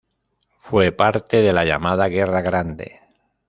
Fue parte de la llamada Guerra Grande.